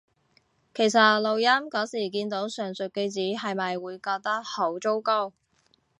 其實錄音嗰時見到上述句子係咪會覺得好糟糕？